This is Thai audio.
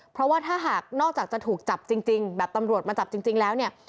เพราะว่าถ้าหากนอกจากจะถูกจับจริงแบบตำรวจมาจับจริงแล้วเนี่ย